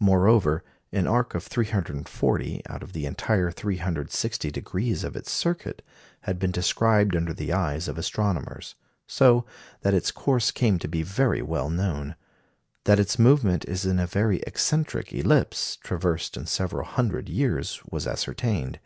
Moreover, an arc of 340 out of the entire 360 degrees of its circuit had been described under the eyes of astronomers; so that its course came to be very well known. That its movement is in a very eccentric ellipse, traversed in several hundred years, was ascertained.